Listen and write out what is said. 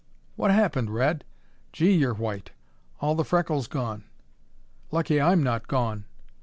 "What happened, Red? Gee, you're white! All the freckles gone." "Lucky I'm not gone!"